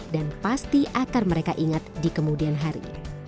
dan pasti akar mereka ingat di kemudian hari